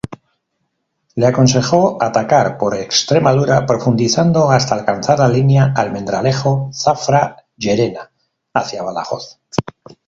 Le aconsejó atacar por Extremadura profundizando hasta alcanzar la línea Almendralejo-Zafra-Llerena hacia Badajoz.